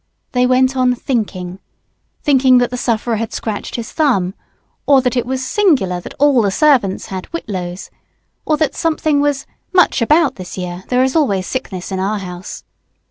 They went on thinking thinking that the sufferer had scratched his thumb, or that it was singular that "all the servants" had "whitlows," or that something was "much about this year; there is always sickness in our house."